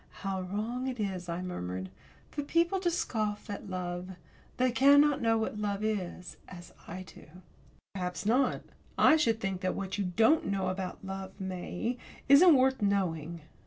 "How wrong it is," I murmured, "for people to scoff at love. They cannot know what love is as I do." "Perhaps not. I should think that what you don't know about love, May, isn't worth knowing."